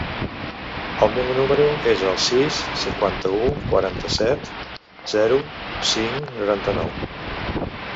El meu número es el sis, cinquanta-u, quaranta-set, zero, cinc, noranta-nou.